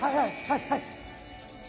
はいはい。